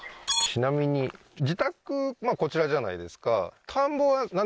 ちなみに自宅まあこちらじゃないですか？